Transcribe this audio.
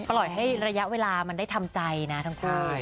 ปล่อยให้ระยะเวลามันได้ทำใจนะทั้งคู่